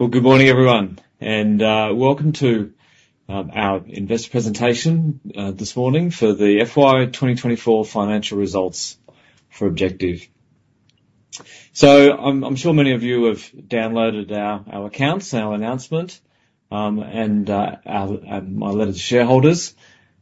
Well, good morning, everyone, and welcome to our investor presentation this morning for the FY 2024 financial results for Objective. So I'm sure many of you have downloaded our accounts, our announcement, and my letter to shareholders.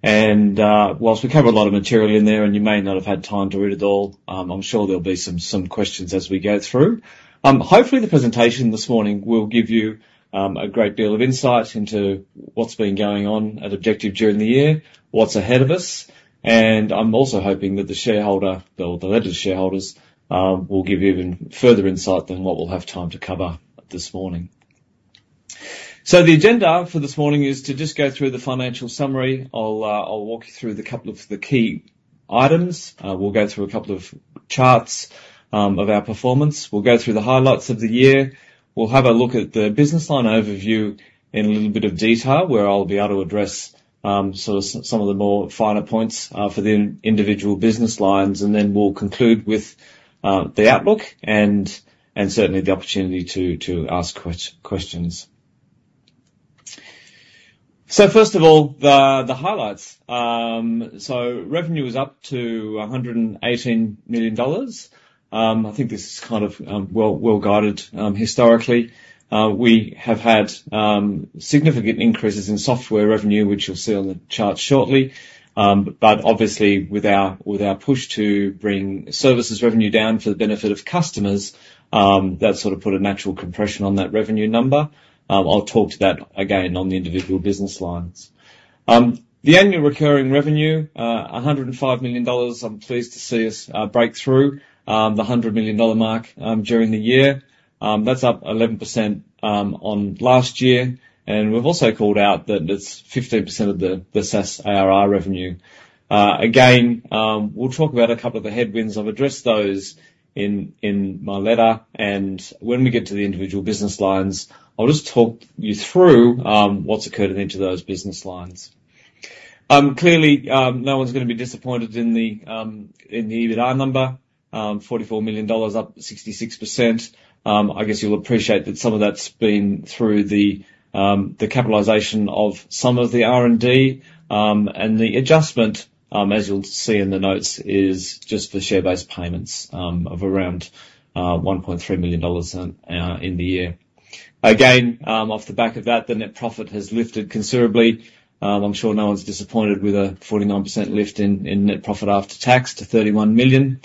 And whilst we cover a lot of material in there and you may not have had time to read it all, I'm sure there'll be some questions as we go through. Hopefully, the presentation this morning will give you a great deal of insight into what's been going on at Objective during the year, what's ahead of us, and I'm also hoping that the shareholder, or the letter to shareholders, will give you even further insight than what we'll have time to cover this morning. So the agenda for this morning is to just go through the financial summary. I'll walk you through the couple of the key items. We'll go through a couple of charts of our performance. We'll go through the highlights of the year. We'll have a look at the business line overview in a little bit of detail, where I'll be able to address sort of some of the more finer points for the individual business lines. And then we'll conclude with the outlook and certainly the opportunity to ask questions. So first of all, the highlights. So revenue is up to 118 million dollars. I think this is kind of well guided. Historically, we have had significant increases in software revenue, which you'll see on the chart shortly. But obviously, with our push to bring services revenue down for the benefit of customers, that sort of put a natural compression on that revenue number. I'll talk to that again on the individual business lines. The annual recurring revenue, 105 million dollars. I'm pleased to see us break through the 100 million dollar mark during the year. That's up 11% on last year, and we've also called out that it's 15% of the SaaS ARR revenue. Again, we'll talk about a couple of the headwinds. I've addressed those in my letter, and when we get to the individual business lines, I'll just talk you through what's occurred in each of those business lines. Clearly, no one's going to be disappointed in the EBITDA number, 44 million dollars, up 66%. I guess you'll appreciate that some of that's been through the capitalization of some of the R&D. And the adjustment, as you'll see in the notes, is just the share-based payments, of around 1.3 million dollars, in the year. Again, off the back of that, the net profit has lifted considerably. I'm sure no one's disappointed with a 49% lift in net profit after tax to 31 million.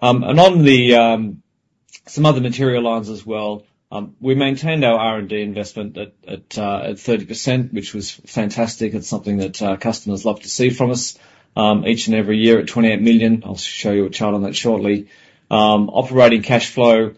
And on some other material lines as well, we maintained our R&D investment at 30%, which was fantastic. It's something that customers love to see from us, each and every year at 28 million. I'll show you a chart on that shortly. Operating cash flow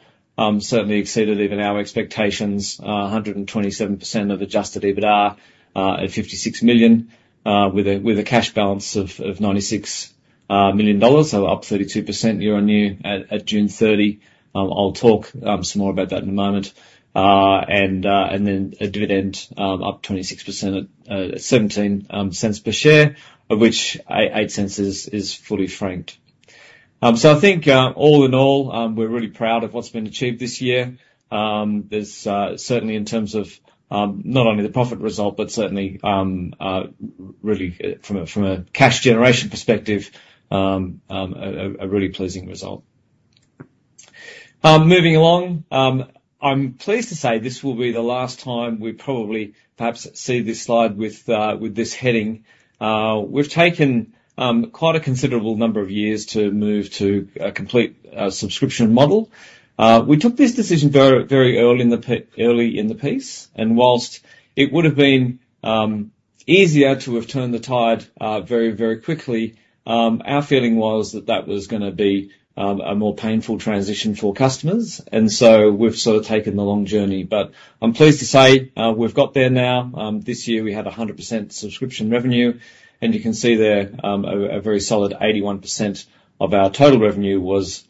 certainly exceeded even our expectations, 127% of adjusted EBITDA, at 56 million, with a cash balance of 96 million dollars, so up 32% year-on-year at June 30. I'll talk some more about that in a moment. And then a dividend up 26% at 0.17 per share, of which eight cents is fully franked. So I think all in all, we're really proud of what's been achieved this year. There's certainly in terms of not only the profit result, but certainly really from a cash generation perspective, a really pleasing result. Moving along, I'm pleased to say this will be the last time we probably perhaps see this slide with this heading. We've taken quite a considerable number of years to move to a complete subscription model. We took this decision very, very early in the piece, and whilst it would've been easier to have turned the tide very, very quickly, our feeling was that that was gonna be a more painful transition for customers, and so we've sort of taken the long journey. But I'm pleased to say, we've got there now. This year, we have 100% subscription revenue, and you can see there a very solid 81% of our total revenue was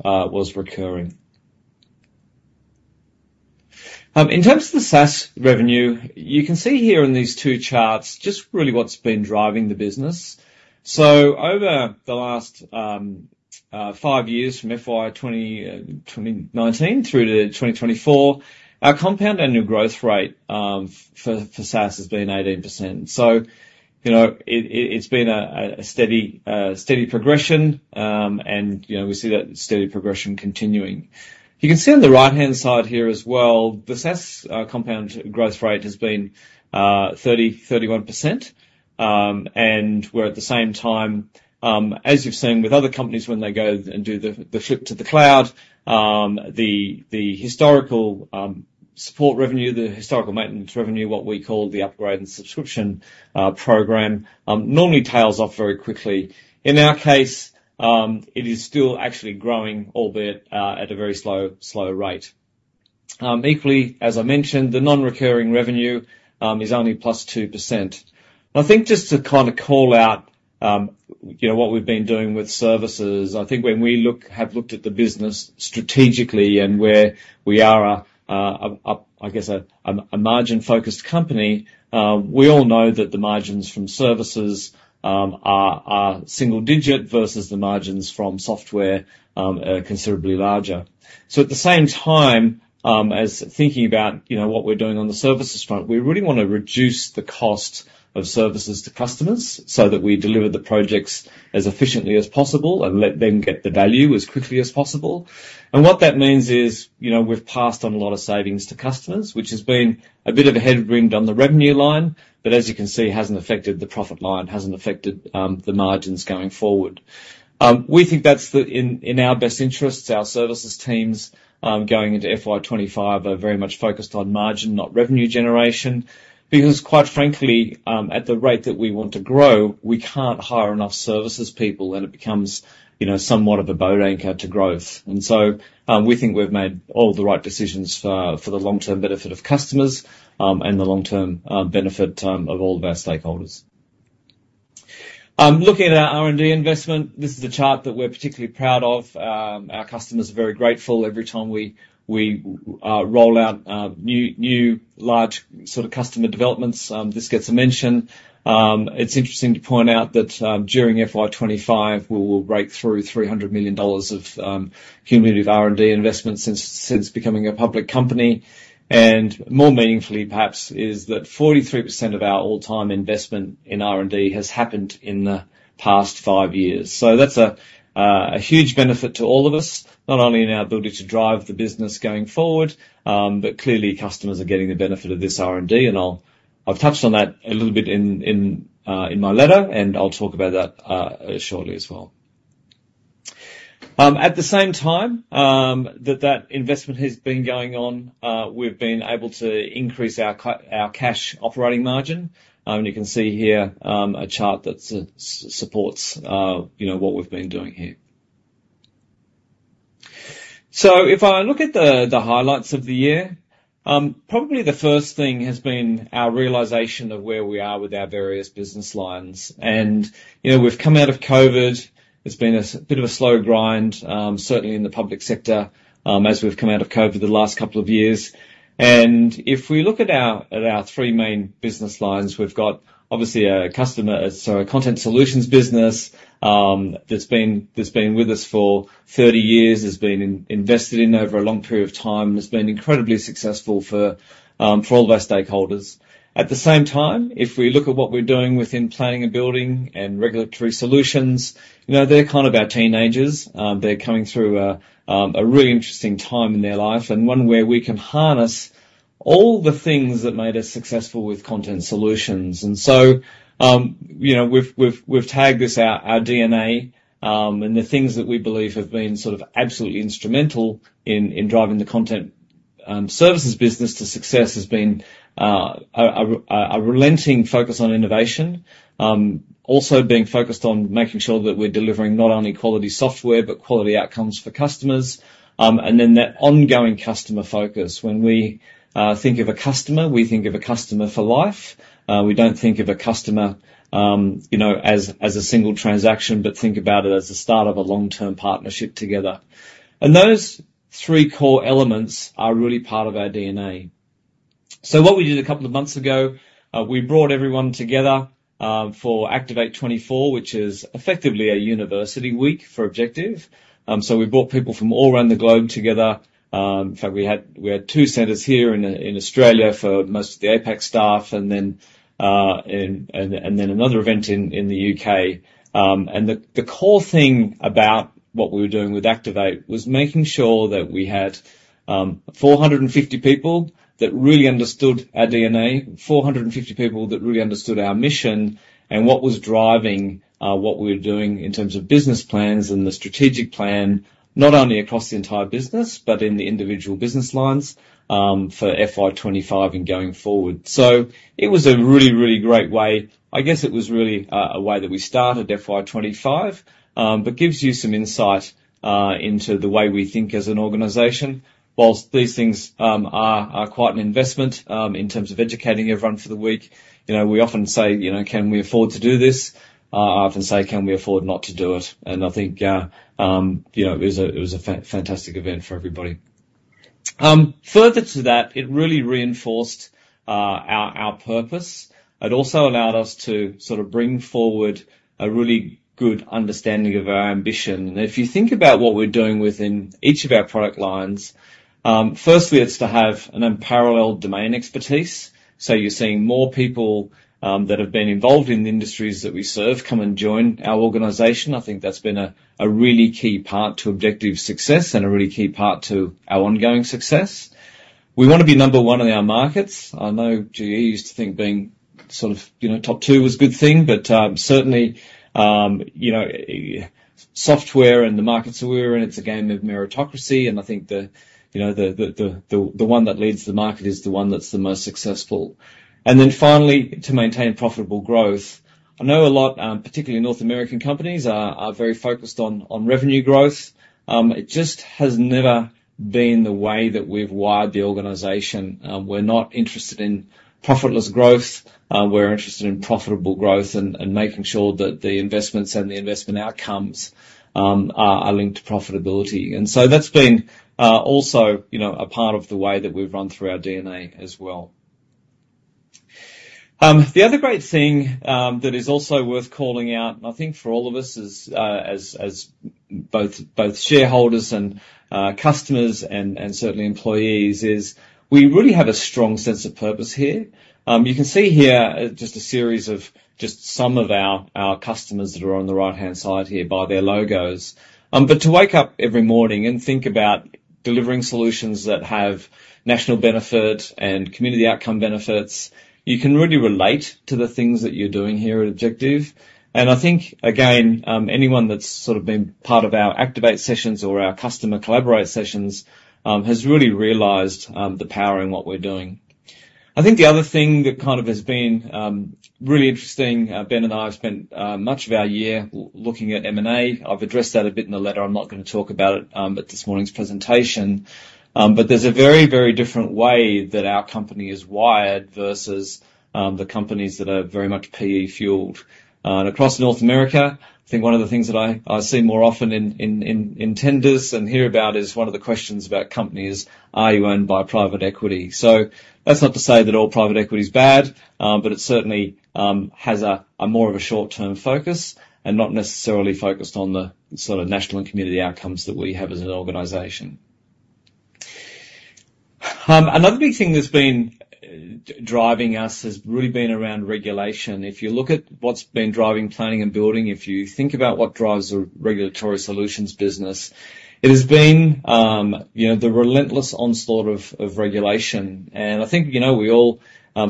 recurring. In terms of the SaaS revenue, you can see here in these two charts, just really what's been driving the business. So over the last five years, from FY 2019 through to 2024, our compound annual growth rate for SaaS has been 18%. So, you know, it's been a steady progression, and, you know, we see that steady progression continuing. You can see on the right-hand side here as well, the SaaS compound growth rate has been 31%. And we're at the same time, as you've seen with other companies when they go and do the flip to the cloud, the historical support revenue, the historical maintenance revenue, what we call the upgrade in subscription program, normally tails off very quickly. In our case, it is still actually growing, albeit at a very slow rate. Equally, as I mentioned, the non-recurring revenue is only plus 2%. I think just to kind of call out, you know, what we've been doing with services, I think when we look, have looked at the business strategically and where we are a margin-focused company, we all know that the margins from services are single digit versus the margins from software are considerably larger. So at the same time, as thinking about, you know, what we're doing on the services front, we really want to reduce the cost of services to customers so that we deliver the projects as efficiently as possible and let them get the value as quickly as possible. And what that means is, you know, we've passed on a lot of savings to customers, which has been a bit of a headwind on the revenue line, but as you can see, hasn't affected the profit line, hasn't affected the margins going forward. We think that's in our best interests. Our services teams going into FY 2025 are very much focused on margin, not revenue generation. Because, quite frankly, at the rate that we want to grow, we can't hire enough services people, and it becomes, you know, somewhat of a boat anchor to growth. And so, we think we've made all the right decisions for the long-term benefit of customers and the long-term benefit of all of our stakeholders. Looking at our R&D investment, this is a chart that we're particularly proud of. Our customers are very grateful. Every time we roll out new large sort of customer developments, this gets a mention. It's interesting to point out that during FY 2025, we will break through 300 million dollars of cumulative R&D investment since becoming a public company. And more meaningfully, perhaps, is that 43% of our all-time investment in R&D has happened in the past five years. So that's a huge benefit to all of us, not only in our ability to drive the business going forward, but clearly, customers are getting the benefit of this R&D, and I've touched on that a little bit in my letter, and I'll talk about that shortly as well. At the same time, that investment has been going on, we've been able to increase our cash operating margin. You can see here, a chart that supports, you know, what we've been doing here. So if I look at the highlights of the year, probably the first thing has been our realization of where we are with our various business lines. And, you know, we've come out of COVID. It's been a bit of a slow grind, certainly in the public sector, as we've come out of COVID the last couple of years. If we look at our three main business lines, we've got obviously a Content Solutions business, that's been with us for 30 years, has been invested in over a long period of time, and has been incredibly successful for all of our stakeholders. At the same time, if we look at what we're doing within Planning and Building Solutions and Regulatory Solutions, you know, they're kind of our teenagers. They're coming through a really interesting time in their life and one where we can harness all the things that made us successful with Content Solutions. And so, you know, we've tagged this, our DNA, and the things that we believe have been sort of absolutely instrumental in driving the content services business to success has been a relentless focus on innovation. Also being focused on making sure that we're delivering not only quality software, but quality outcomes for customers. And then that ongoing customer focus. When we think of a customer, we think of a customer for life. We don't think of a customer, you know, as a single transaction, but think about it as the start of a long-term partnership together. And those three core elements are really part of our DNA. So what we did a couple of months ago, we brought everyone together for Activate 2024, which is effectively a university week for Objective. So we brought people from all around the globe together. In fact, we had two centers here in Australia for most of the APAC staff, and then another event in the U.K. And the core thing about what we were doing with Activate was making sure that we had 450 people that really understood our DNA, 450 people that really understood our mission and what was driving what we were doing in terms of business plans and the strategic plan, not only across the entire business, but in the individual business lines, for FY 2025 and going forward. So it was a really, really great way... I guess it was really a way that we started FY 2025, but gives you some insight into the way we think as an organization. While these things are quite an investment in terms of educating everyone for the week, you know, we often say: "You know, can we afford to do this?" I often say: "Can we afford not to do it?" And I think, you know, it was a fantastic event for everybody. Further to that, it really reinforced our purpose. It also allowed us to sort of bring forward a really good understanding of our ambition. And if you think about what we're doing within each of our product lines, firstly, it's to have an unparalleled domain expertise. So you're seeing more people that have been involved in the industries that we serve come and join our organization. I think that's been a really key part to Objective's success and a really key part to our ongoing success. We want to be number one in our markets. I know GE used to think being sort of, you know, top two was a good thing, but certainly, you know, software and the markets that we're in, it's a game of meritocracy, and I think the one that leads the market is the one that's the most successful. And then finally, to maintain profitable growth. I know a lot, particularly North American companies are very focused on revenue growth. It just has never been the way that we've wired the organization. We're not interested in profitless growth. We're interested in profitable growth and making sure that the investments and the investment outcomes are linked to profitability. And so that's been also, you know, a part of the way that we've run through our DNA as well. The other great thing that is also worth calling out, and I think for all of us as both shareholders and customers and certainly employees, is we really have a strong sense of purpose here. You can see here, just a series of just some of our customers that are on the right-hand side here by their logos. But to wake up every morning and think about delivering solutions that have national benefit and community outcome benefits, you can really relate to the things that you're doing here at Objective. And I think, again, anyone that's sort of been part of our Activate sessions or our customer Collaborate sessions has really realized the power in what we're doing. I think the other thing that kind of has been really interesting. Ben and I have spent much of our year looking at M&A. I've addressed that a bit in the letter. I'm not gonna talk about it, but this morning's presentation. But there's a very, very different way that our company is wired versus the companies that are very much PE-fueled. And across North America, I think one of the things that I see more often in tenders and hear about is one of the questions about companies: "Are you owned by private equity?" So that's not to say that all private equity is bad, but it certainly has a more of a short-term focus and not necessarily focused on the sort of national and community outcomes that we have as an organization. Another big thing that's been driving us has really been around regulation. If you look at what's been driving planning and building, if you think about what drives a regulatory solutions business, it has been you know, the relentless onslaught of regulation. And I think, you know, we all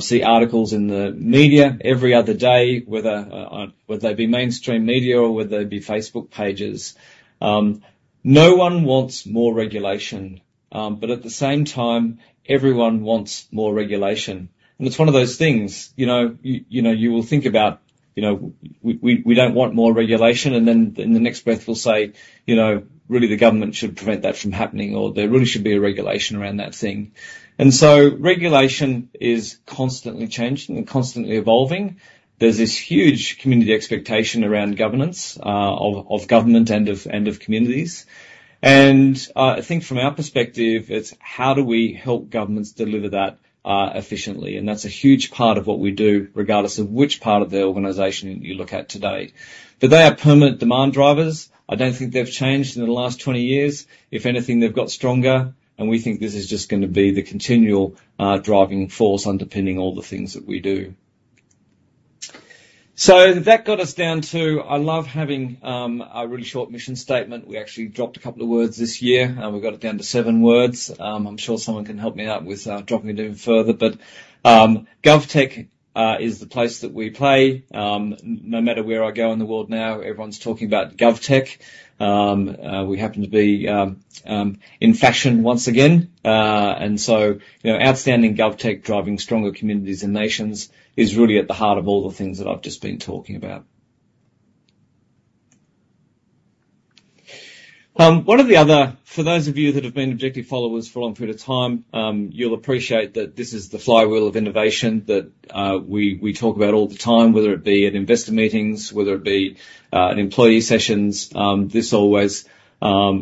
see articles in the media every other day, whether they be mainstream media or whether they be Facebook pages. No one wants more regulation, but at the same time, everyone wants more regulation. And it's one of those things, you know, you know, you will think about, you know, we don't want more regulation, and then in the next breath, we'll say, "You know, really, the government should prevent that from happening," or, "There really should be a regulation around that thing." And so regulation is constantly changing and constantly evolving. There's this huge community expectation around governance of government and of communities. And I think from our perspective, it's how do we help governments deliver that efficiently? That's a huge part of what we do, regardless of which part of the organization you look at today. They are permanent demand drivers. I don't think they've changed in the last twenty years. If anything, they've got stronger, and we think this is just gonna be the continual driving force underpinning all the things that we do. That got us down to... I love having a really short mission statement. We actually dropped a couple of words this year, and we got it down to seven words. I'm sure someone can help me out with dropping it even further, but GovTech is the place that we play. No matter where I go in the world now, everyone's talking about GovTech. We happen to be in fashion once again. You know, outstanding GovTech, driving stronger communities and nations, is really at the heart of all the things that I've just been talking about. One of the other, for those of you that have been Objective followers for a long period of time, you'll appreciate that this is the flywheel of innovation that we talk about all the time, whether it be at investor meetings, whether it be at employee sessions, this always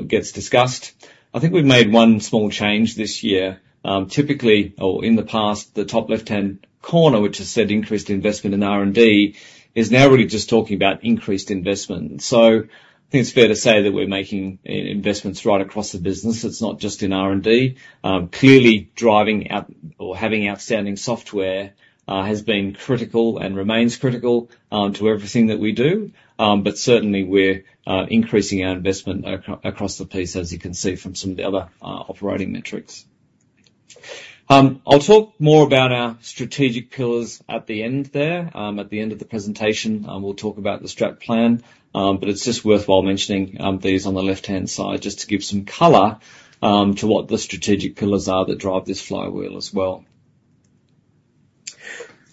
gets discussed. I think we've made one small change this year. Typically or in the past, the top left-hand corner, which has said increased investment in R&D, is now really just talking about increased investment, so I think it's fair to say that we're making investments right across the business. It's not just in R&D. Clearly, driving out or having outstanding software has been critical and remains critical to everything that we do, but certainly we're increasing our investment across the piece, as you can see from some of the other operating metrics. I'll talk more about our strategic pillars at the end there. At the end of the presentation, we'll talk about the strat plan, but it's just worthwhile mentioning these on the left-hand side just to give some color to what the strategic pillars are that drive this flywheel as well.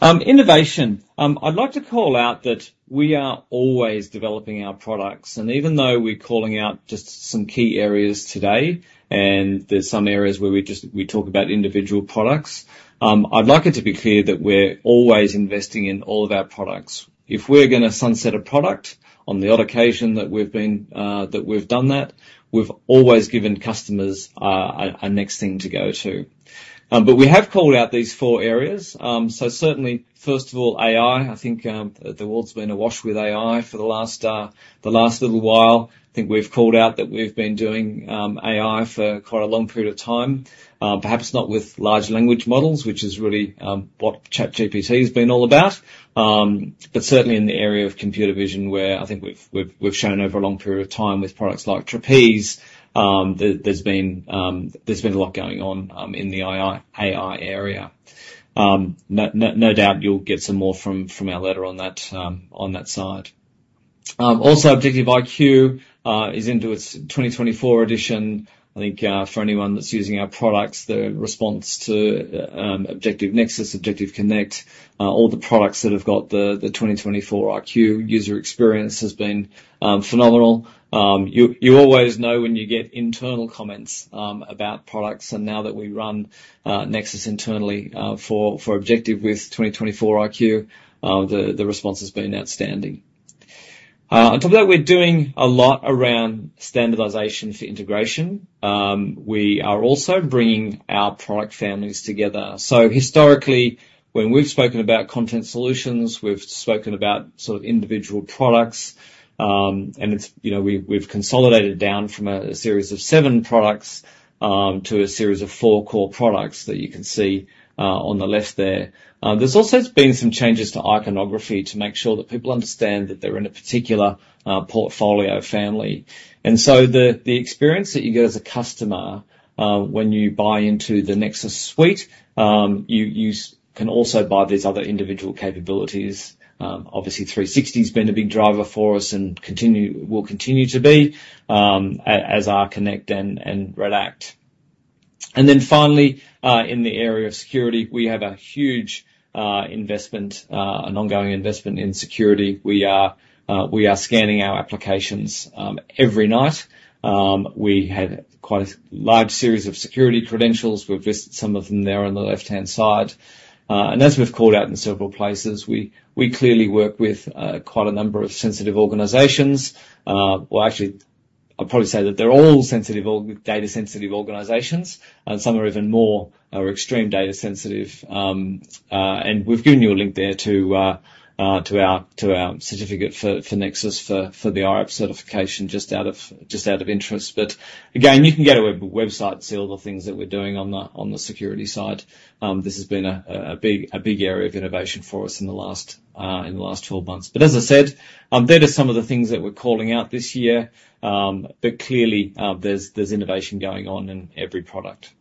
Innovation. I'd like to call out that we are always developing our products, and even though we're calling out just some key areas today, and there's some areas where we talk about individual products, I'd like it to be clear that we're always investing in all of our products. If we're gonna sunset a product on the odd occasion that we've done that, we've always given customers a next thing to go to, but we have called out these four areas, so certainly, first of all, AI. I think the world's been awash with AI for the last little while. I think we've called out that we've been doing AI for quite a long period of time. Perhaps not with large language models, which is really what ChatGPT has been all about. But certainly in the area of computer vision, where I think we've shown over a long period of time with products like Trapeze, there's been a lot going on in the AI area. No doubt you'll get some more from our letter on that side. Also Objective IQ is into its 2024 edition. I think for anyone that's using our products, the response to Objective Nexus, Objective Connect, all the products that have got the 2024 IQ user experience has been phenomenal. You always know when you get internal comments about products, and now that we run Nexus internally for Objective with 2024 IQ, the response has been outstanding. On top of that, we're doing a lot around standardization for integration. We are also bringing our product families together. So historically, when we've spoken about content solutions, we've spoken about sort of individual products. And it's, you know, we've consolidated down from a series of seven products to a series of four core products that you can see on the left there. There's also been some changes to iconography to make sure that people understand that they're in a particular portfolio family. And so the experience that you get as a customer when you buy into the Nexus Suite, you can also buy these other individual capabilities. Obviously, 360's been a big driver for us and will continue to be, as are Connect and Redact. And then finally, in the area of security, we have a huge investment, an ongoing investment in security. We are scanning our applications every night. We have quite a large series of security credentials. We've listed some of them there on the left-hand side. And as we've called out in several places, we clearly work with quite a number of sensitive organizations. Well, actually, I'd probably say that they're all sensitive data sensitive organizations, and some are even more extreme data sensitive. And we've given you a link there to our certificate for Nexus for the IRAP certification, just out of interest. But again, you can go to our website and see all the things that we're doing on the security side. This has been a big area of innovation for us in the last twelve months. But as I said, they are just some of the things that we're calling out this year, but clearly, there's innovation going on in every product.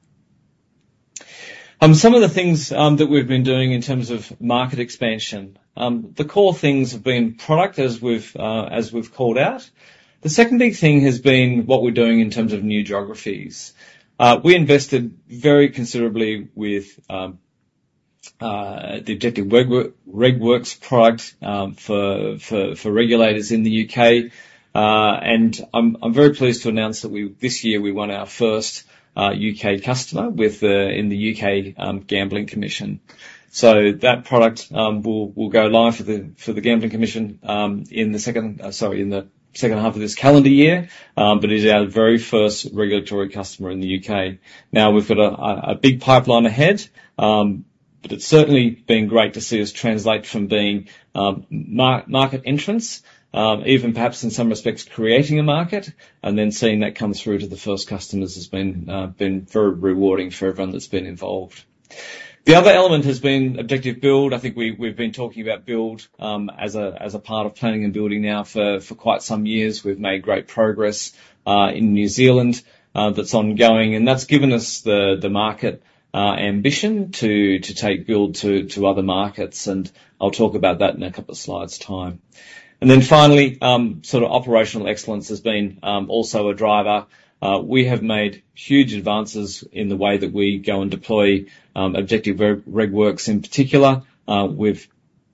Some of the things that we've been doing in terms of market expansion. The core things have been product, as we've called out. The second big thing has been what we're doing in terms of new geographies. We invested very considerably with the Objective RegWorks product for regulators in the U.K. I'm very pleased to announce that this year we won our first U.K. customer with the Gambling Commission in the U.K. So that product will go live for the Gambling Commission in the second half of this calendar year, but it is our very first regulatory customer in the U.K. Now, we've got a big pipeline ahead, but it's certainly been great to see us translate from being market entrants, even perhaps in some respects, creating a market, and then seeing that come through to the first customers has been very rewarding for everyone that's been involved. The other element has been Objective Build. I think we've been talking about Build as a part of planning and building now for quite some years. We've made great progress in New Zealand, that's ongoing, and that's given us the market ambition to take Build to other markets, and I'll talk about that in a couple of slides' time. And then finally, sort of operational excellence has been also a driver. We have made huge advances in the way that we go and deploy Objective RegWorks in particular. We've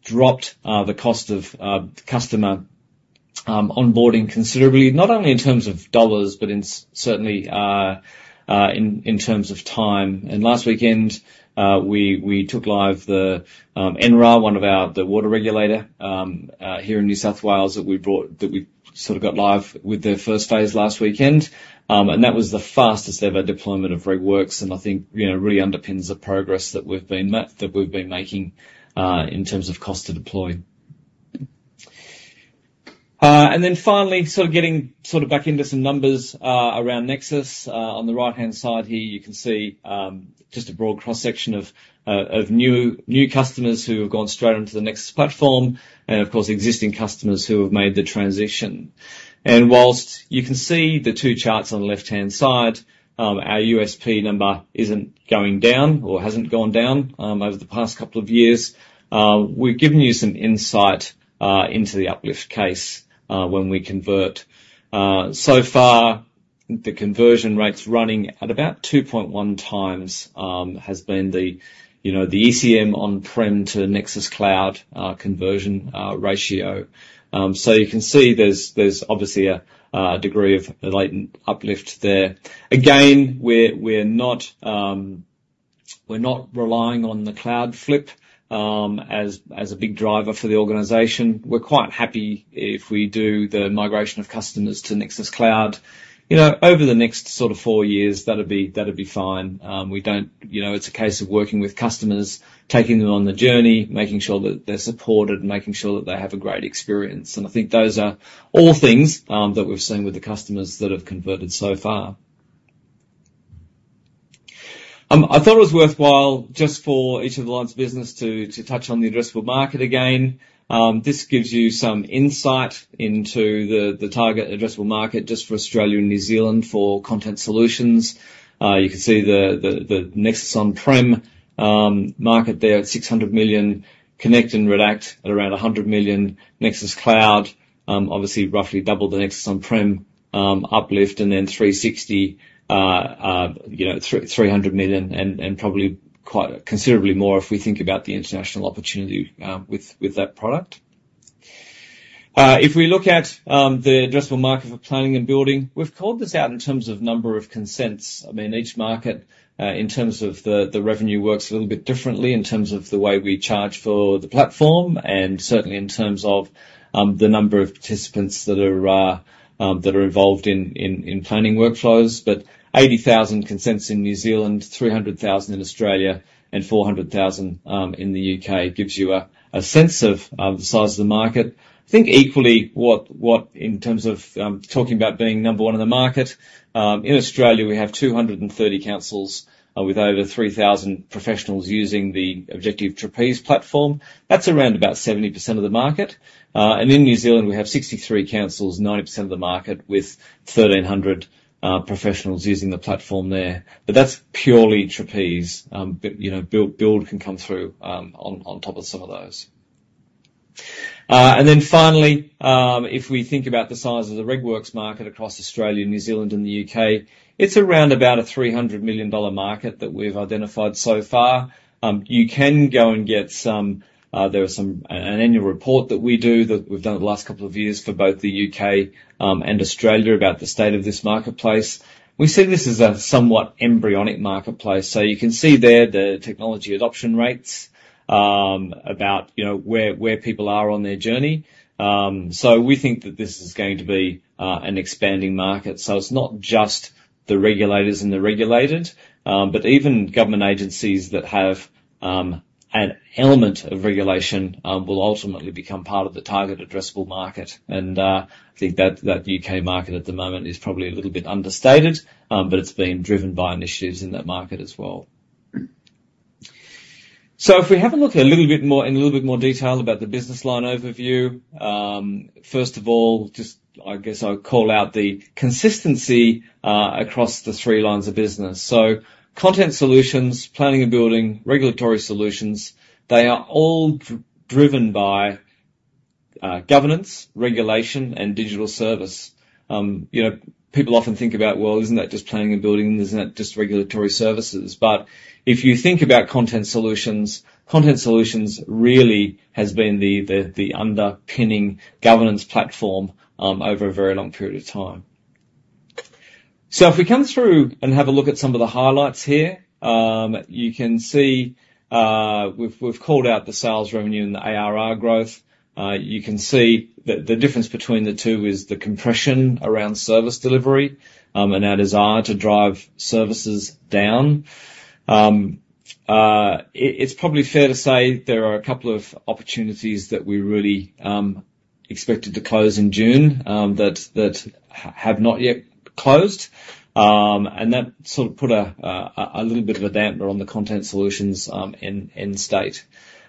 dropped the cost of customer onboarding considerably. Not only in terms of dollars, but certainly in terms of time. And last weekend, we took live the NRAR, one of our... The water regulator here in New South Wales that we brought, that we sort of got live with their first phase last weekend. And that was the fastest ever deployment of RegWorks, and I think, you know, really underpins the progress that we've been making in terms of cost to deploy. And then finally, sort of getting sort of back into some numbers around Nexus. On the right-hand side here, you can see just a broad cross-section of new customers who have gone straight onto the Nexus platform, and, of course, existing customers who have made the transition. Whilst you can see the two charts on the left-hand side, our USP number isn't going down or hasn't gone down over the past couple of years. We've given you some insight into the uplift case when we convert. So far, the conversion rate's running at about two point one times, has been the, you know, the ECM on-prem to Nexus Cloud, conversion, ratio. So you can see there's obviously a degree of latent uplift there. Again, we're not relying on the cloud flip as a big driver for the organization. We're quite happy if we do the migration of customers to Nexus Cloud. You know, over the next sort of four years, that'd be fine. We don't... You know, it's a case of working with customers, taking them on the journey, making sure that they're supported and making sure that they have a great experience, and I think those are all things that we've seen with the customers that have converted so far. I thought it was worthwhile just for each of the lines of business to touch on the addressable market again. This gives you some insight into the target addressable market just for Australia and New Zealand for Content Solutions. You can see the Nexus on-prem market there at 600 million, Connect and Redact at around 100 million. Nexus Cloud, obviously roughly double the Nexus on-prem. uplift and then 360, you know, three hundred million, and probably quite considerably more if we think about the international opportunity with that product. If we look at the addressable market for planning and building, we've called this out in terms of number of consents. I mean, each market in terms of the revenue works a little bit differently in terms of the way we charge for the platform and certainly in terms of the number of participants that are involved in planning workflows. But 80,000 consents in New Zealand, 300,000 in Australia, and 400,000 in the U.K. gives you a sense of the size of the market. I think equally in terms of talking about being number one in the market, in Australia, we have 230 councils with over 3,000 professionals using the Objective Trapeze platform. That's around about 70% of the market, and in New Zealand, we have 63 councils, 90% of the market, with 1,300 professionals using the platform there. But that's purely Trapeze, but you know, Build can come through on top of some of those, and then finally, if we think about the size of the RegWorks market across Australia, New Zealand, and the U.K., it's around about a 300 million dollar market that we've identified so far. You can go and get some... An annual report that we do, that we've done over the last couple of years for both the U.K. and Australia about the state of this marketplace. We see this as a somewhat embryonic marketplace, so you can see there the technology adoption rates about you know where people are on their journey, so we think that this is going to be an expanding market, so it's not just the regulators and the regulated, but even government agencies that have an element of regulation will ultimately become part of the target addressable market, and I think that U.K. market at the moment is probably a little bit understated, but it's being driven by initiatives in that market as well. So if we have a look a little bit more, in a little bit more detail about the business line overview. First of all, just I guess I'll call out the consistency across the three lines of business. So Content Solutions, Planning and Building, Regulatory Solutions, they are all driven by governance, regulation, and digital service. You know, people often think about, "Well, isn't that just Planning and Building? Isn't that just Regulatory Services?" But if you think about Content Solutions, Content Solutions really has been the underpinning governance platform over a very long period of time. So if we come through and have a look at some of the highlights here, you can see we've called out the sales revenue and the ARR growth. You can see that the difference between the two is the compression around service delivery, and our desire to drive services down. It's probably fair to say there are a couple of opportunities that we really expected to close in June, that have not yet closed, and that sort of put a little bit of a damper on the Content Solutions end state,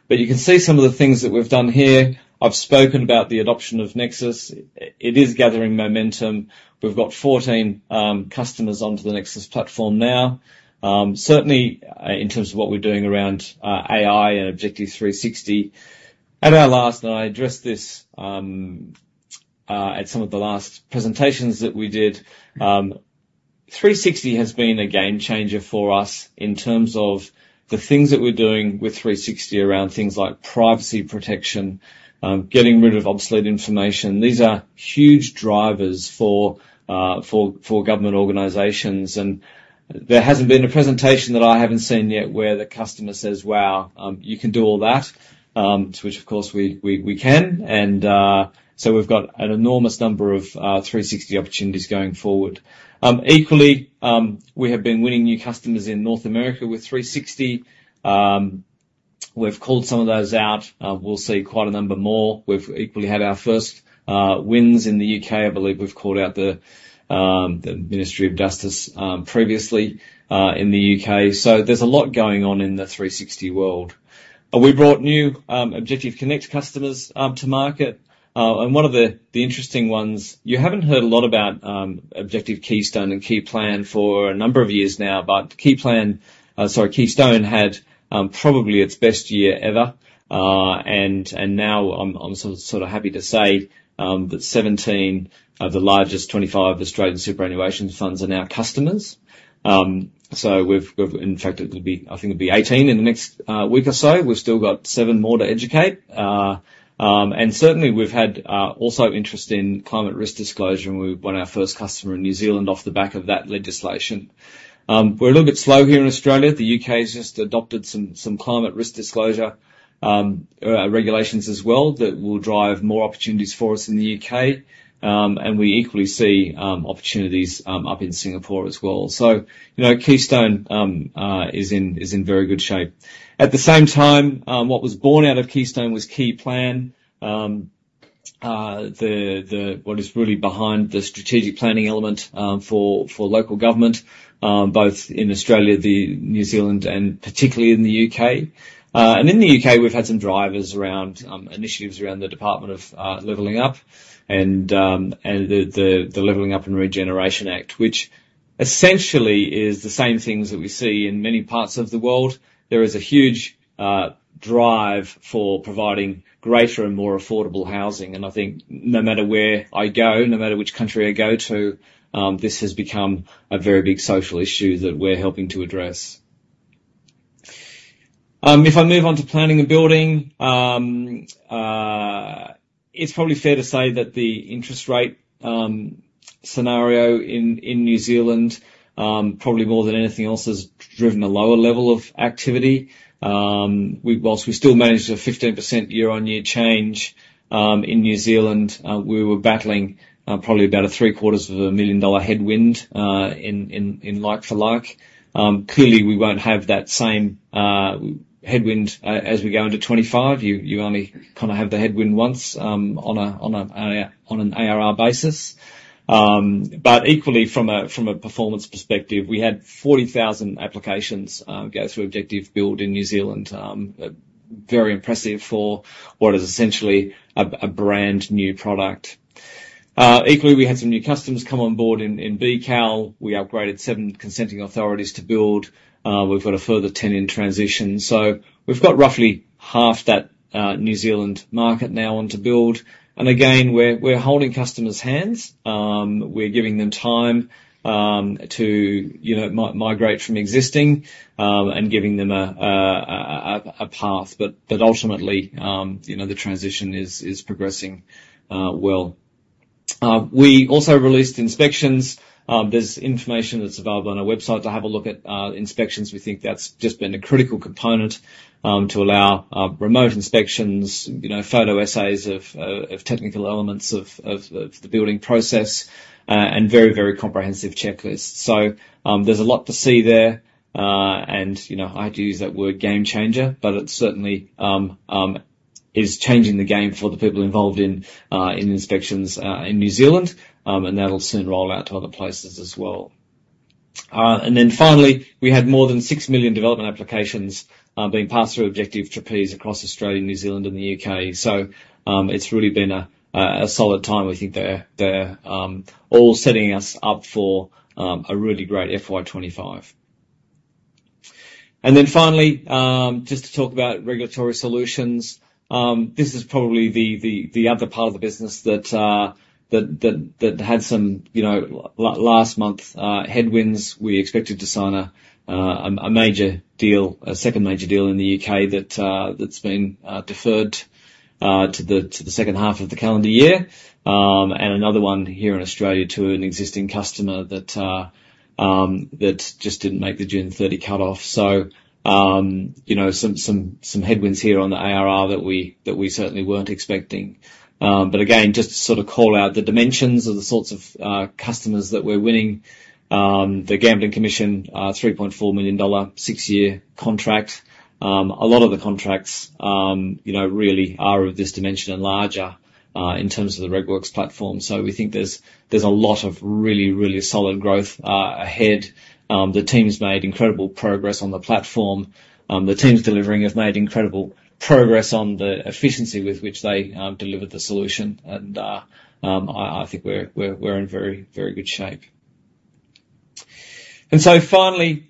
but you can see some of the things that we've done here. I've spoken about the adoption of Nexus. It is gathering momentum. We've got 14 customers onto the Nexus platform now. Certainly, in terms of what we're doing around AI and Objective 360. At our last, and I addressed this, at some of the last presentations that we did, 360 has been a game changer for us in terms of the things that we're doing with 360 around things like privacy protection, getting rid of obsolete information. These are huge drivers for government organizations, and there hasn't been a presentation that I haven't seen yet where the customer says, "Wow, you can do all that?" To which of course we can, and so we've got an enormous number of 360 opportunities going forward. Equally, we have been winning new customers in North America with 360. We've called some of those out. We'll see quite a number more. We've equally had our first wins in the U.K. I believe we've called out the Ministry of Justice previously in the U.K. So there's a lot going on in the 360 world. We brought new Objective Connect customers to market, and one of the interesting ones. You haven't heard a lot about Objective Keystone and Keyplan for a number of years now, but Keyplan, sorry, Keystone had probably its best year ever. And now I'm sort of happy to say that 17 of the largest 25 Australian superannuation funds are now customers. So we've. In fact, it'll be, I think it'll be 18 in the next week or so. We've still got 7 more to educate. And certainly we've had also interest in climate risk disclosure, and we won our first customer in New Zealand off the back of that legislation. We're a little bit slow here in Australia. The U.K.'s just adopted some climate risk disclosure regulations as well that will drive more opportunities for us in the U.K. And we equally see opportunities up in Singapore as well. So, you know, Keystone is in very good shape. At the same time, what was born out of Keystone was Keyplan. What is really behind the strategic planning element for local government both in Australia and New Zealand, and particularly in the U.K. And in the U.K, we've had some drivers around initiatives around the Department for Levelling Up and the Levelling Up and Regeneration Act, which essentially is the same things that we see in many parts of the world. There is a huge drive for providing greater and more affordable housing, and I think no matter where I go, no matter which country I go to, this has become a very big social issue that we're helping to address. If I move on to planning and building, it's probably fair to say that the interest rate scenario in New Zealand probably more than anything else has driven a lower level of activity. We've, while we still managed a 15% year-over-year change in New Zealand, we were battling probably about an 750,000 dollar headwind in like for like. Clearly, we won't have that same headwind as we go into 2025. You only kind of have the headwind once on an ARR basis, but equally from a performance perspective, we had 40,000 applications go through Objective Build in New Zealand. Very impressive for what is essentially a brand-new product. Equally, we had some new customers come on board in Build. We upgraded seven consenting authorities to Build. We've got a further 10 in transition. So we've got roughly half that New Zealand market now onto Build, and again, we're holding customers' hands. We're giving them time, you know, to migrate from existing, and giving them a path. But ultimately, you know, the transition is progressing well. We also released inspections. There's information that's available on our website to have a look at inspections. We think that's just been a critical component to allow remote inspections, you know, photo essays of technical elements of the building process, and very comprehensive checklists. So, there's a lot to see there. And, you know, I'd use that word game changer, but it certainly is changing the game for the people involved in inspections in New Zealand, and that'll soon roll out to other places as well. And then finally, we had more than six million development applications being passed through Objective Trapeze across Australia, New Zealand and the U.K. So, it's really been a solid time. We think they're all setting us up for a really great FY 2025. And then finally, just to talk about Regulatory Solutions, this is probably the other part of the business that had some, you know, last month headwinds. We expected to sign a major deal, a second major deal in the U.K. that's been deferred to the second half of the calendar year, and another one here in Australia to an existing customer that just didn't make the June thirty cutoff, so you know, some headwinds here on the ARR that we certainly weren't expecting, but again, just to sort of call out the dimensions of the sorts of customers that we're winning, the Gambling Commission, 3.4 million-dollar, six-year contract. A lot of the contracts, you know, really are of this dimension and larger, in terms of the Regworks platform, so we think there's a lot of really solid growth ahead. The team's made incredible progress on the platform. The team's delivery has made incredible progress on the efficiency with which they delivered the solution, and I think we're in very good shape. So finally,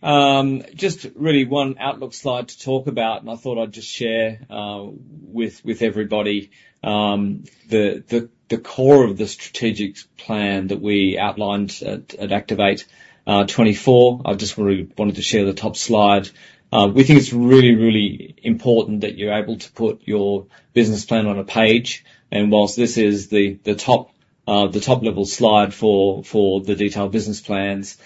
just really one outlook slide to talk about, and I thought I'd just share with everybody the core of the strategic plan that we outlined at Activate 2024. I just really wanted to share the top slide. We think it's really, really important that you're able to put your business plan on a page, and while this is the top-level slide for the detailed business plans,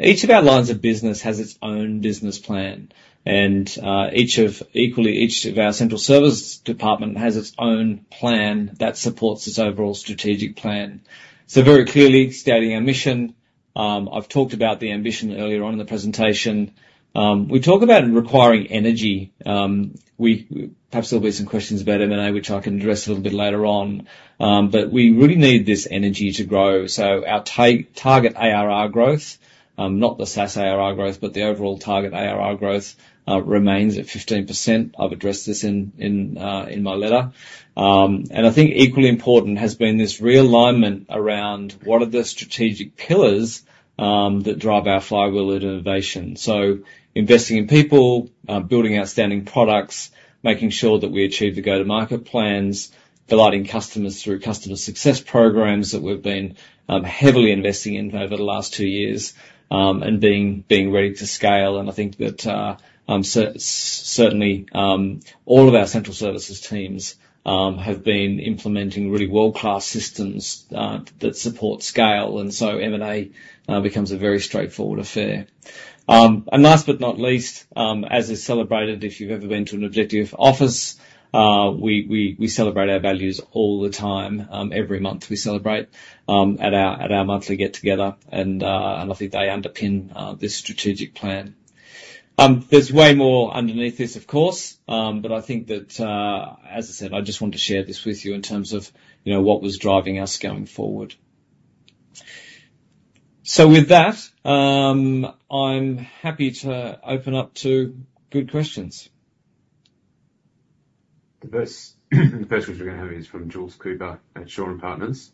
each of our lines of business has its own business plan, and equally, each of our central services department has its own plan that supports this overall strategic plan, so very clearly stating our mission. I've talked about the ambition earlier on in the presentation. We talk about requiring energy. Perhaps there'll be some questions about M&A, which I can address a little bit later on, but we really need this energy to grow, so our target ARR growth, not the SaaS ARR growth, but the overall target ARR growth, remains at 15%. I've addressed this in my letter. And I think equally important has been this realignment around what are the strategic pillars that drive our flywheel at Innovation. So investing in people, building outstanding products, making sure that we achieve the go-to-market plans, delighting customers through customer success programs that we've been heavily investing in over the last two years, and being ready to scale. And I think that certainly all of our central services teams have been implementing really world-class systems that support scale, and so M&A becomes a very straightforward affair. And last but not least, as is celebrated, if you've ever been to an Objective office, we celebrate our values all the time. Every month we celebrate at our monthly get-together, and I think they underpin this strategic plan. There's way more underneath this, of course, but I think that, as I said, I just wanted to share this with you in terms of, you know, what was driving us going forward. So with that, I'm happy to open up to good questions. The first question we're gonna have is from Jules Cooper at Shaw and Partners.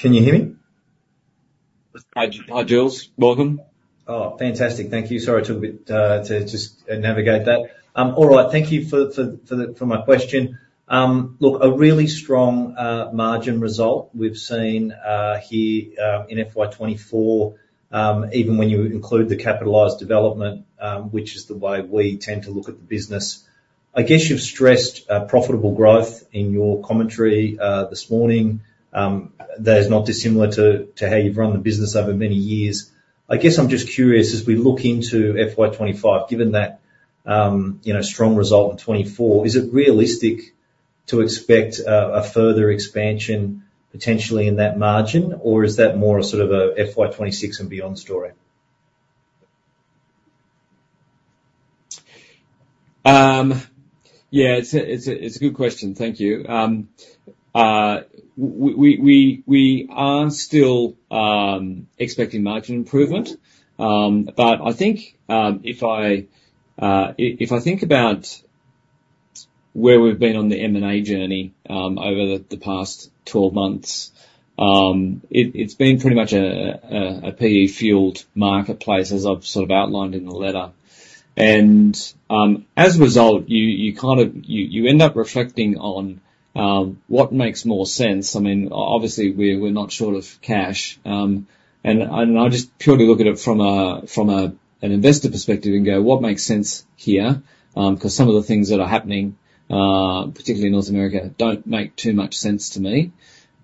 Can you hear me? Hi, Jules. Welcome. Oh, fantastic. Thank you. Sorry, it took a bit to just navigate that. All right. Thank you for my question. Look, a really strong margin result we've seen here in FY 2024, even when you include the capitalized development, which is the way we tend to look at the business. I guess you've stressed profitable growth in your commentary this morning. That is not dissimilar to how you've run the business over many years. I guess I'm just curious, as we look into FY 2025, given that, you know, strong result in 2024, is it realistic to expect a further expansion potentially in that margin? Or is that more a sort of a FY 2026 and beyond story? Yeah, it's a good question. Thank you. We are still expecting margin improvement, but I think, if I think about where we've been on the M&A journey, over the past 12 months, it's been pretty much a PE-fueled marketplace, as I've sort of outlined in the letter. And, as a result, you kind of end up reflecting on what makes more sense. I mean, obviously, we're not short of cash, and I just purely look at it from an investor perspective and go, "What makes sense here?" 'Cause some of the things that are happening, particularly in North America, don't make too much sense to me.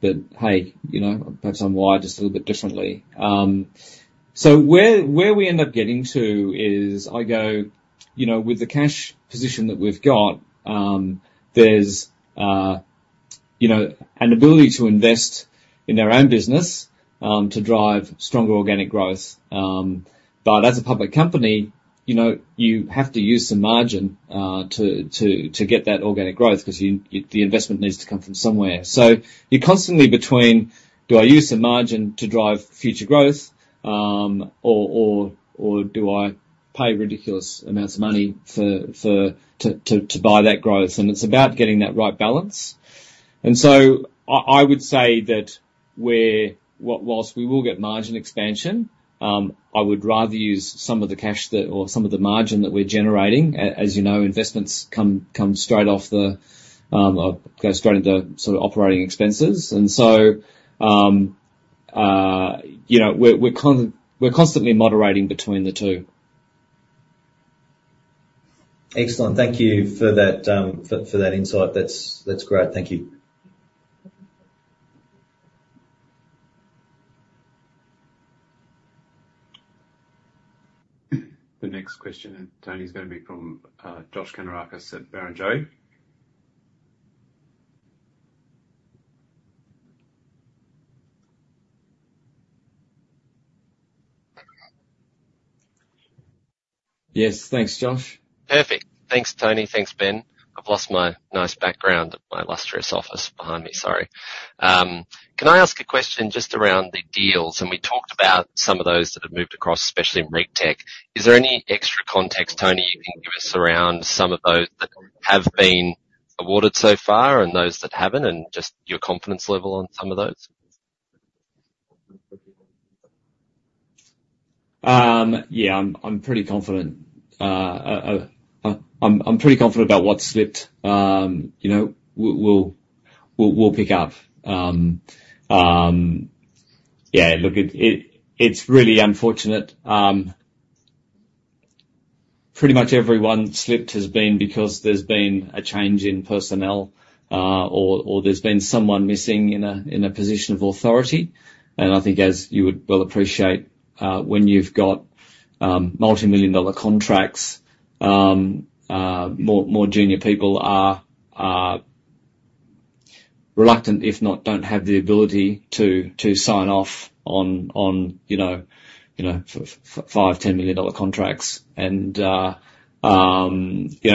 But, hey, you know, perhaps I'm wired just a little bit differently. So where we end up getting to is, I go, "You know, with the cash position that we've got, there's, you know, an ability to invest in our own business, to drive stronger organic growth." But as a public company, you know, you have to use some margin to get that organic growth, 'cause the investment needs to come from somewhere. So you're constantly between, "Do I use the margin to drive future growth, or do I pay ridiculous amounts of money to buy that growth?" And it's about getting that right balance. And so I would say that we're whilst we will get margin expansion. I would rather use some of the cash that, or some of the margin that we're generating. As you know, investments come straight off the, or go straight into sort of operating expenses. And so you know, we're constantly moderating between the two. Excellent. Thank you for that, for that insight. That's great. Thank you. The next question, and Tony, is gonna be from Josh Kannourakis at Barrenjoey. Yes, thanks, Josh. Perfect. Thanks, Tony. Thanks, Ben. I've lost my nice background of my illustrious office behind me, sorry. Can I ask a question just around the deals? And we talked about some of those that have moved across, especially in RegTech. Is there any extra context, Tony, you can give us around some of those that have been awarded so far and those that haven't, and just your confidence level on some of those? Yeah, I'm pretty confident about what slipped. You know, we'll pick up. Yeah, look, it's really unfortunate. Pretty much every slip has been because there's been a change in personnel, or there's been someone missing in a position of authority. And I think as you would well appreciate, when you've got multimillion-dollar contracts, more junior people are reluctant, if not don't have the ability to sign off on, you know, 5-10 million-dollar contracts. And, you know,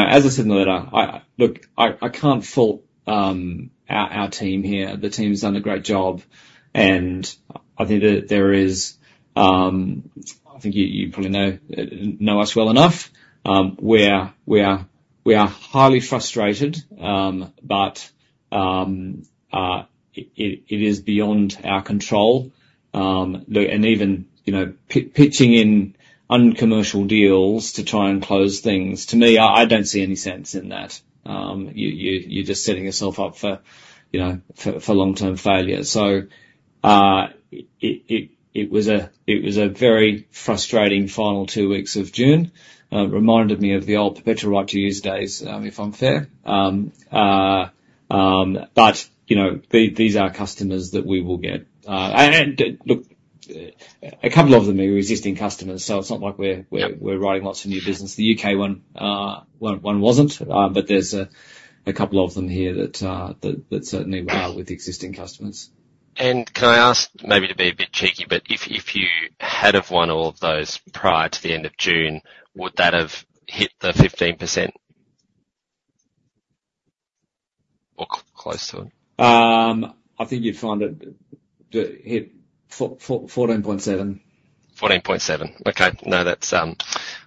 as I said in the letter, look, I can't fault our team here. The team's done a great job, and I think that there is... I think you probably know us well enough. We are highly frustrated, but it is beyond our control. And even, you know, pitching in uncommercial deals to try and close things, to me, I don't see any sense in that. You're just setting yourself up for, you know, for long-term failure. So, it was a very frustrating final two weeks of June. Reminded me of the old Perpetual right to use days, if I'm fair. But, you know, these are customers that we will get. And a couple of them are existing customers, so it's not like we're writing lots of new business. The U.K one wasn't, but there's a couple of them here that certainly were with existing customers. Can I ask, maybe to be a bit cheeky, but if you had have won all of those prior to the end of June, would that have hit the 15%? Or close to it? I think you'd find it that hit 14.7. 14.7. Okay. No, that's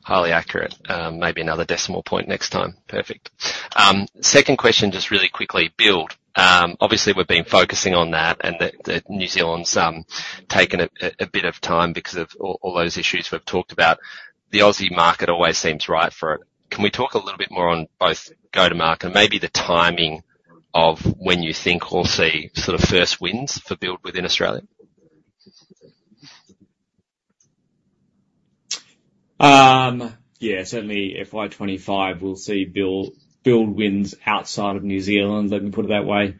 highly accurate. Maybe another decimal point next time. Perfect. Second question, just really quickly: Build. Obviously, we've been focusing on that and the New Zealand's taken a bit of time because of all those issues we've talked about. The Aussie market always seems right for it. Can we talk a little bit more on both go-to-market and maybe the timing of when you think we'll see sort of first wins for Build within Australia? Yeah, certainly FY 2025, we'll see Build wins outside of New Zealand, let me put it that way.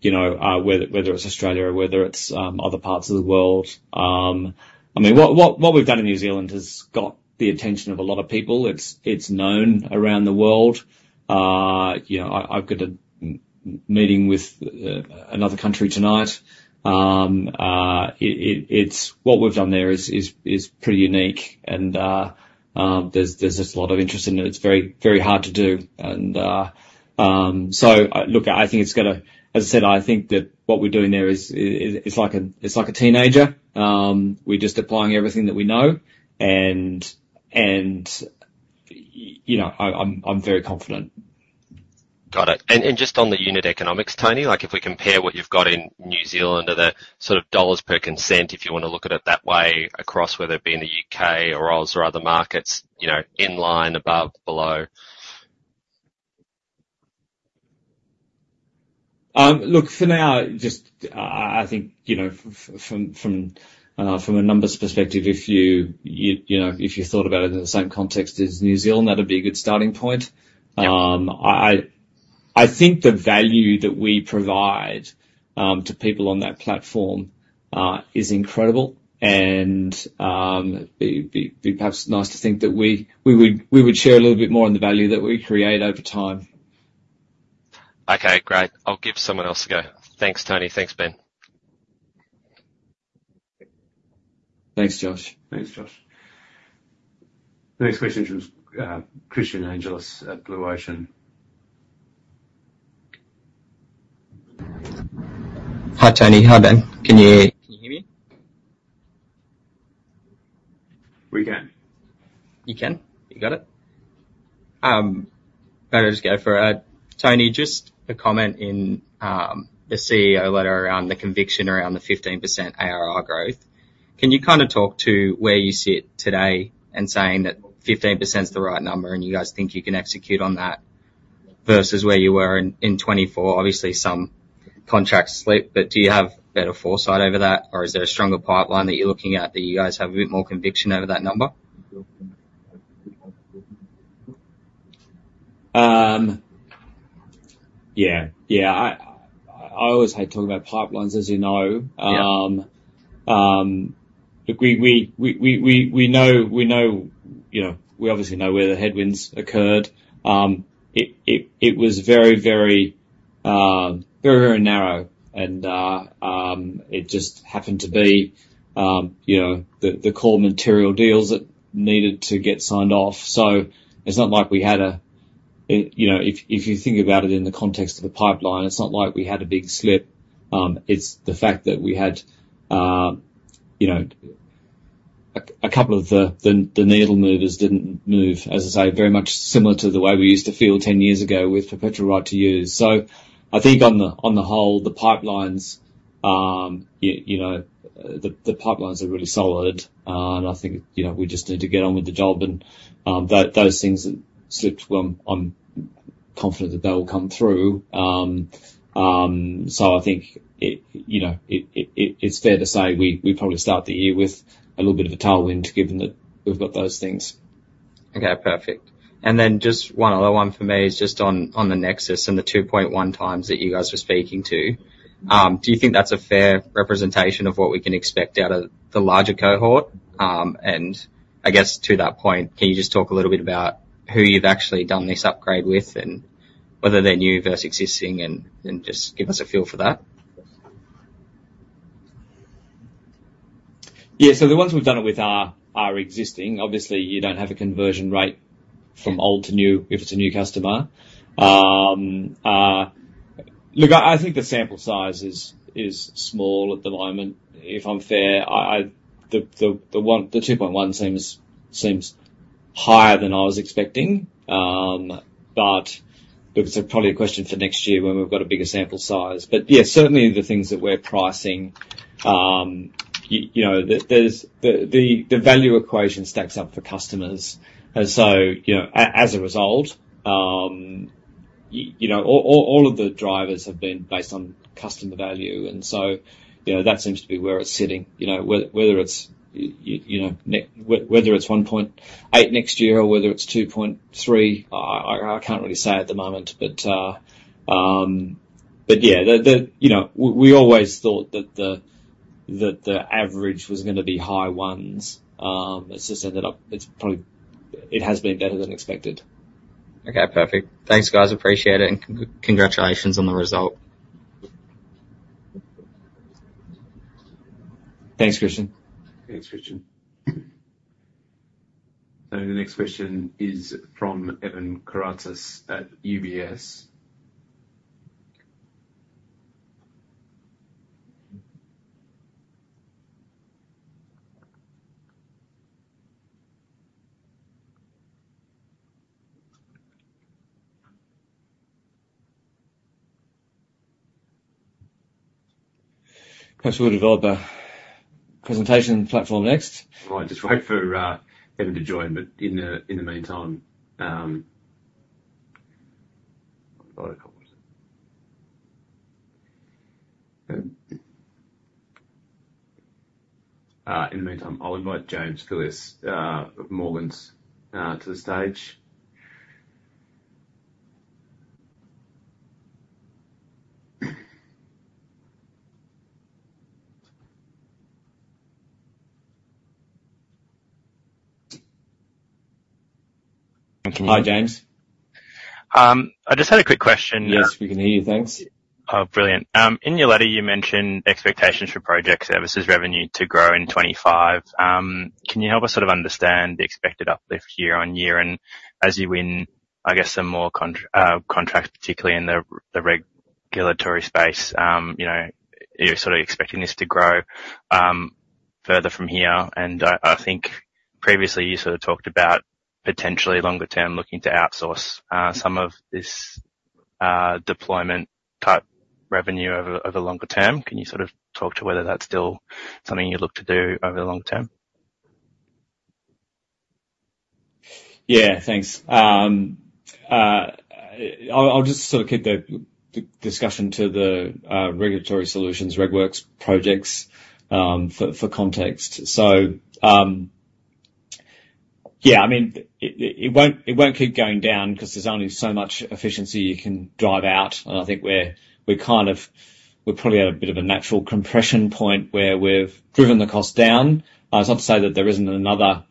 You know, whether it's Australia or whether it's other parts of the world. I mean, what we've done in New Zealand has got the attention of a lot of people. It's known around the world. You know, I've got a meeting with another country tonight. It's what we've done there is pretty unique, and there's just a lot of interest in it. It's very, very hard to do. So, look, I think it's gonna... As I said, I think that what we're doing there is like a, it's like a teenager. We're just applying everything that we know, and you know, I'm very confident. Got it, and just on the unit economics, Tony, like, if we compare what you've got in New Zealand are the sort of dollars per consent, if you wanna look at it that way, across, whether it be in the U.K. or Aus or other markets, you know, in line, above, below? Look, for now, just I think, you know, from a numbers perspective, if you know, if you thought about it in the same context as New Zealand, that'd be a good starting point. Yep. I think the value that we provide to people on that platform is incredible, and it'd be perhaps nice to think that we would share a little bit more on the value that we create over time. Okay, great. I'll give someone else a go. Thanks, Tony. Thanks, Ben. Thanks, Josh. Thanks, Josh. The next question is, Christian Angelis at Blue Ocean. Hi, Tony. Hi, Ben. Can you hear, can you hear me? We can. You can? You got it? Better just go for it. Tony, just a comment in the CEO letter around the conviction around the 15% ARR growth. Can you kind of talk to where you sit today in saying that 15%'s the right number, and you guys think you can execute on that versus where you were in 2024? Obviously, some contracts slipped, but do you have better foresight over that, or is there a stronger pipeline that you're looking at, that you guys have a bit more conviction over that number? Yeah. Yeah, I always hate talking about pipelines, as you know. Yeah. Look, we know, you know, we obviously know where the headwinds occurred. It was very narrow, and it just happened to be, you know, the core material deals that needed to get signed off. So it's not like we had a big slip. You know, if you think about it in the context of the pipeline, it's not like we had a big slip. It's the fact that we had, you know, a couple of the needle movers didn't move, as I say, very much similar to the way we used to feel ten years ago with Perpetual right to use. So I think on the whole, the pipelines, you know, the pipelines are really solid, and I think, you know, we just need to get on with the job and those things that slipped. Well, I'm confident that they'll come through. So I think it, you know, it's fair to say we probably start the year with a little bit of a tailwind, given that we've got those things. Okay, perfect. And then just one other one for me is just on the Nexus and the 2.1 times that you guys were speaking to. Do you think that's a fair representation of what we can expect out of the larger cohort? And I guess, to that point, can you just talk a little bit about who you've actually done this upgrade with and whether they're new versus existing, and just give us a feel for that? Yeah. So the ones we've done it with are existing. Obviously, you don't have a conversion rate from old to new, if it's a new customer. Look, I think the sample size is small at the moment, if I'm fair. The two point one seems higher than I was expecting, but look, it's probably a question for next year when we've got a bigger sample size. But yeah, certainly the things that we're pricing, you know, there's the value equation stacks up for customers, and so, you know, as a result, you know, all of the drivers have been based on customer value, and so, you know, that seems to be where it's sitting. You know, whether it's 1.8 next year or whether it's 2.3, I can't really say at the moment, but yeah, you know, we always thought that the average was gonna be high ones. It's just ended up, it's probably it has been better than expected. Okay, perfect. Thanks, guys. Appreciate it, and congratulations on the result. Thanks, Christian. Thanks, Christian. The next question is from Evan Karatzis at UBS. Perhaps we'll develop a presentation platform next. All right, just wait for Evan to join, but in the meantime, I'll invite James Gillies of Morgans to the stage. And can you- Hi, James. I just had a quick question. Yes, we can hear you. Thanks. Oh, brilliant. In your letter, you mentioned expectations for project services revenue to grow in 2025. Can you help us sort of understand the expected uplift year on year? And as you win, I guess, some more contracts, particularly in the regulatory space, you know, you're sort of expecting this to grow further from here. And I think previously you sort of talked about potentially longer term, looking to outsource some of this deployment type revenue over longer term. Can you sort of talk to whether that's still something you look to do over the long term? Yeah, thanks. I'll just sort of keep the discussion to the regulatory solutions, RegWorks projects, for context. So, yeah, I mean, it won't keep going down 'cause there's only so much efficiency you can drive out, and I think we're kind of at a bit of a natural compression point where we've driven the cost down. It's not to say that there isn't another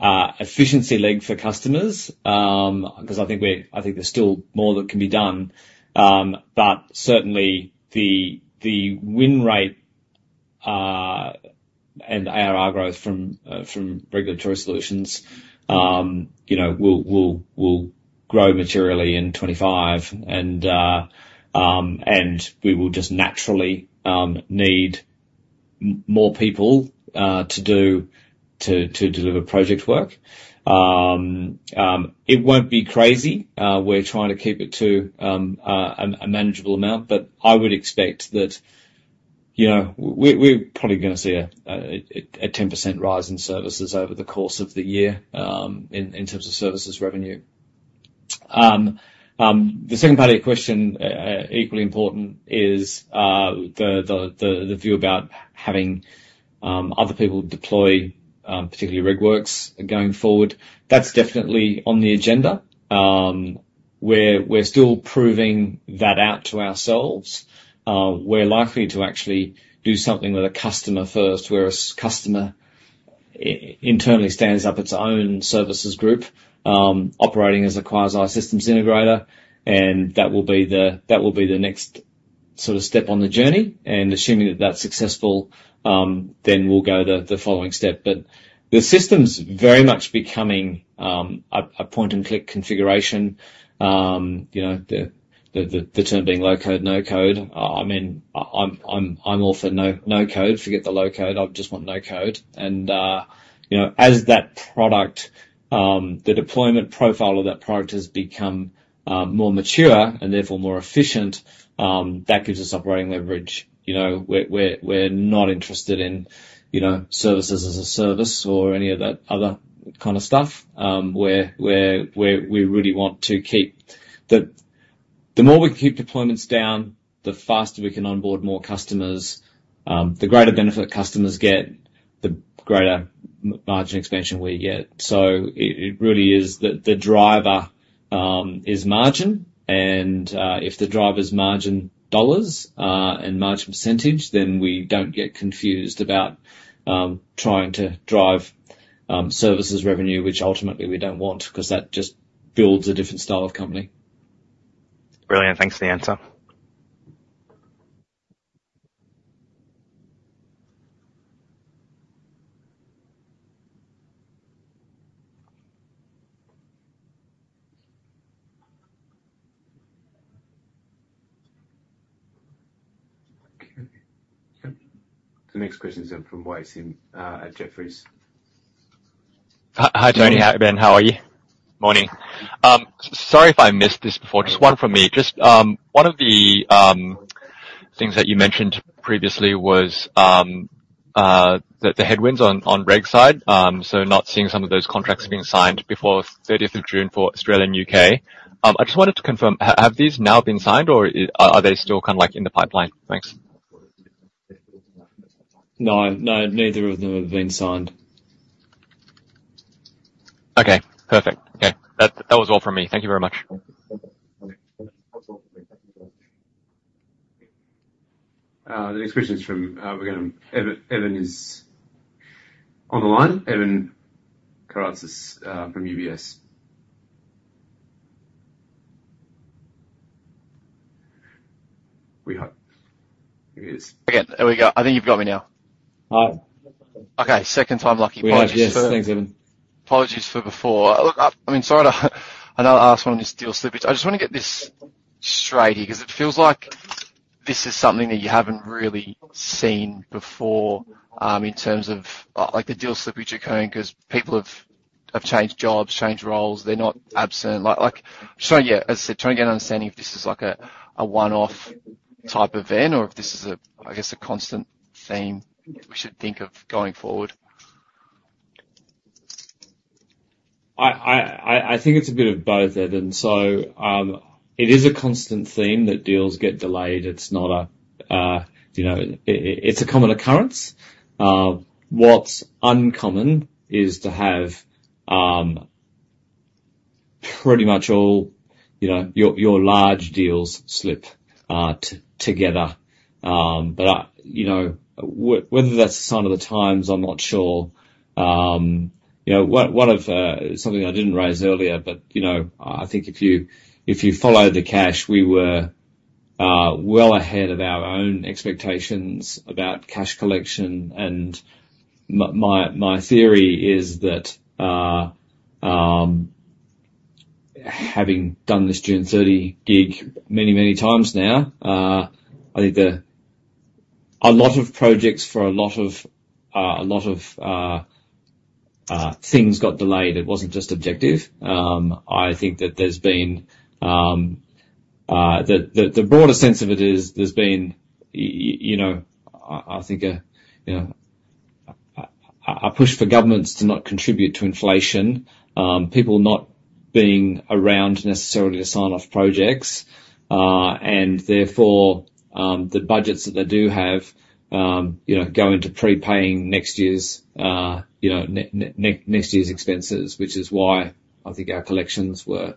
efficiency leg for customers, 'cause I think there's still more that can be done. But certainly the win rate and ARR growth from regulatory solutions, you know, will grow materially in 2025. And we will just naturally need more people to deliver project work. It won't be crazy. We're trying to keep it to a manageable amount, but I would expect that, you know, we're probably gonna see a 10% rise in services over the course of the year, in terms of services revenue. The second part of your question, equally important is the view about having other people deploy, particularly RegWorks, going forward. That's definitely on the agenda. We're still proving that out to ourselves. We're likely to actually do something with a customer first, where a customer internally stands up its own services group, operating as a Quasar systems integrator, and that will be the next sort of step on the journey. Assuming that that's successful, then we'll go to the following step. The system's very much becoming a point-and-click configuration. You know, the term being low-code, no-code. I mean, I'm all for no-code. Forget the low-code, I just want no-code. You know, as that product, the deployment profile of that product has become more mature and therefore more efficient, that gives us operating leverage. You know, we're not interested in, you know, services as a service or any of that other kind of stuff. We really want to keep the deployments down. The more we can keep deployments down, the faster we can onboard more customers. The greater benefit customers get, the greater margin expansion we get. So it really is the driver is margin, and if the driver's margin dollars and margin percentage, then we don't get confused about trying to drive services revenue, which ultimately we don't want, 'cause that just builds a different style of company. Brilliant. Thanks for the answer. The next question is from Wei Sim at Jefferies. Hi, Tony. Hi, Ben. How are you? Morning. Sorry if I missed this before. Just one from me. Just one of the things that you mentioned previously was the headwinds on reg side. So not seeing some of those contracts being signed before thirtieth of June for Australia and U.K. I just wanted to confirm, have these now been signed, or are they still kind of like in the pipeline? Thanks. No, no, neither of them have been signed.... Okay, perfect. Okay, that was all from me. Thank you very much. The next question is from, we're gonna... Evan is on the line. Evan Karatzis from UBS. We have, he is- Again, there we go. I think you've got me now. Hi. Okay, second time lucky. We are. Yes, thanks, Evan. Apologies for before. Look, I mean, sorry, I know I asked one on this deal slippage. I just wanna get this straight here, 'cause it feels like this is something that you haven't really seen before, in terms of, like the deal slippage occurring 'cause people have changed jobs, changed roles. They're not absent. Like, just trying to get, as I said, trying to get an understanding if this is like a one-off type event or if this is a, I guess, a constant theme we should think of going forward. I think it's a bit of both, Evan. So, it is a constant theme that deals get delayed. It's not a you know. It's a common occurrence. What's uncommon is to have pretty much all, you know, your large deals slip together. But I, you know, whether that's the sign of the times, I'm not sure. You know, something I didn't raise earlier, but you know, I think if you followed the cash, we were well ahead of our own expectations about cash collection, and my theory is that, having done this June thirty gig many times now, I think a lot of projects for a lot of things got delayed. It wasn't just Objective. I think that there's been the broader sense of it is, there's been you know, I think a you know, a push for governments to not contribute to inflation. People not being around necessarily to sign off projects, and therefore, the budgets that they do have, you know, go into prepaying next year's you know, next year's expenses, which is why I think our collections were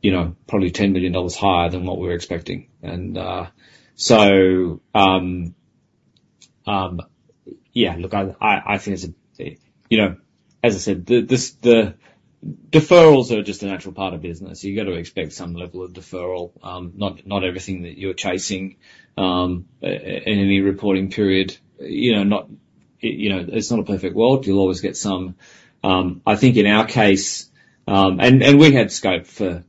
you know, probably 10 million dollars higher than what we were expecting. And so, yeah, look, I think it's a you know, as I said, the deferrals are just a natural part of business. You got to expect some level of deferral, not everything that you're chasing, in any reporting period. You know, not... You know, it's not a perfect world. You'll always get some. I think in our case, we had scope for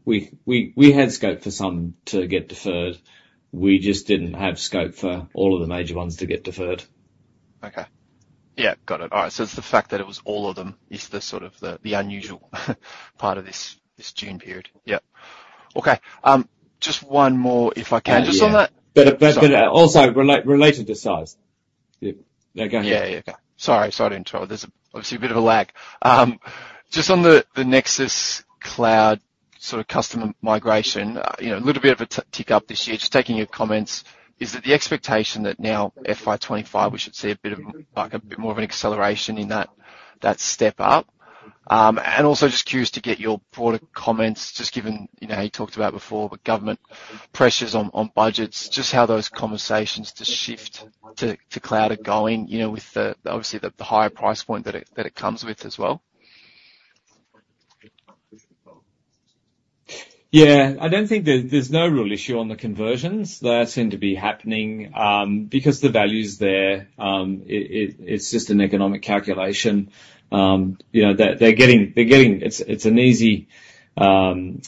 some to get deferred. We just didn't have scope for all of the major ones to get deferred. Okay. Yeah, got it. All right, so it's the fact that it was all of them, is sort of the unusual part of this June period? Yep. Okay, just one more, if I can- Yeah Just on that. But also related to size. Yeah. Go ahead. Yeah, yeah. Okay. Sorry, sorry to interrupt. There's obviously a bit of a lag. Just on the, the Nexus Cloud sort of customer migration, you know, a little bit of a tick up this year, just taking your comments, is that the expectation that now FY 2025, we should see a bit of, like, a bit more of an acceleration in that, that step up? And also just curious to get your broader comments, just given, you know, how you talked about before, the government pressures on, on budgets, just how those conversations to shift to, to cloud are going, you know, with the, obviously, the, the higher price point that it, that it comes with as well. Yeah. I don't think there's no real issue on the conversions. They seem to be happening because the value's there. It's just an economic calculation. You know, they're getting... It's an easy return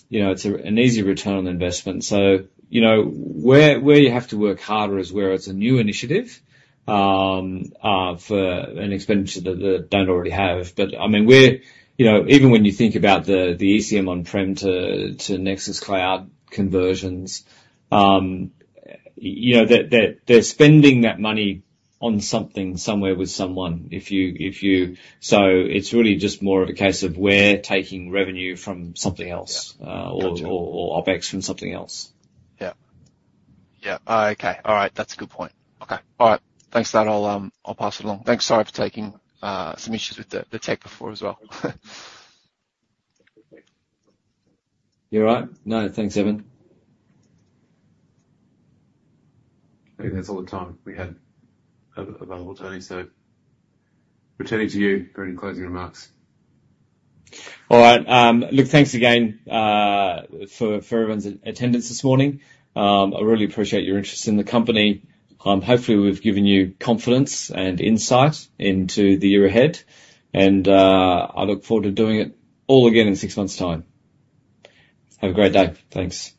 on investment. So, you know, where you have to work harder is where it's a new initiative for an expenditure that don't already have. But, I mean, we're, you know, even when you think about the ECM on-prem to Nexus Cloud conversions, you know, they're spending that money on something, somewhere with someone. If you... So it's really just more of a case of we're taking revenue from something else- Yeah. or OPEX from something else. Yeah. Yeah. Okay. All right. That's a good point. Okay. All right. Thanks for that. I'll, I'll pass it along. Thanks. Sorry for taking some issues with the tech before as well. You all right? No, thanks, Evan. I think that's all the time we had available, Tony. So returning to you for any closing remarks. All right, look, thanks again for everyone's attendance this morning. I really appreciate your interest in the company. Hopefully, we've given you confidence and insight into the year ahead, and I look forward to doing it all again in six months' time. Have a great day. Thanks.